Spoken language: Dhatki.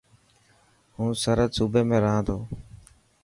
هون سرهد صوبي ۾ رها تو.